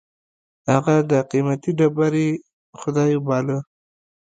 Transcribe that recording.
هغه د قېمتي ډبرې خدای باله.